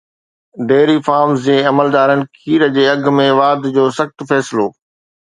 dairy farms جي عملدارن کير جي اگهن ۾ واڌ جو سخت فيصلو